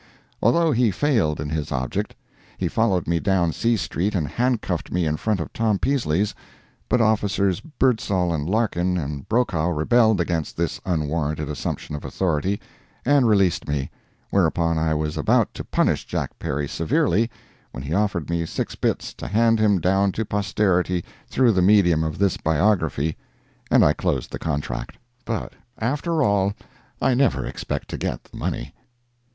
Although he failed in his object, he followed me down C street and handcuffed me in front of Tom Peasley's, but officers Birdsall and Larkin and Brokaw rebelled against this unwarranted assumption of authority, and released me—whereupon I was about to punish Jack Perry severely, when he offered me six bits to hand him down to posterity through the medium of this Biography, and I closed the contract. But after all, I never expect to get the money.